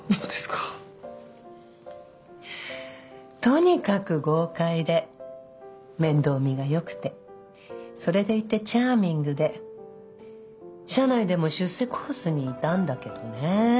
とにかく豪快で面倒見がよくてそれでいてチャーミングで社内でも出世コースにいたんだけどね。